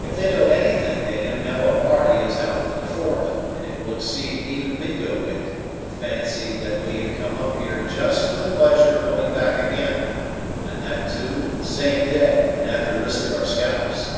If they know anything, they now know a party is out from the fort, and it will exceed even Mingo wit to fancy that we have come up here just for the pleasure of going back again, and that, too, the same day, and at the risk of our scalps."